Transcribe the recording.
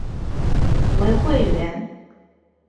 为会员。